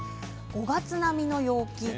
５月並みの陽気。